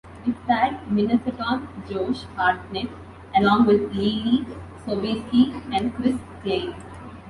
It starred Minnesotan Josh Hartnett along with Leelee Sobieski and Chris Klein.